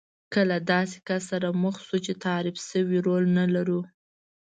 که له داسې کس سره مخ شو چې تعریف شوی رول نه لرو.